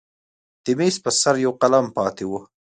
د میز پر سر یو قلم پاتې و.